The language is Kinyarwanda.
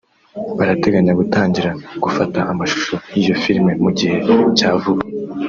barateganya gutangira gufata amashusho y’iyo filimi mu gihe cya vuba